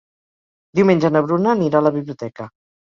Diumenge na Bruna anirà a la biblioteca.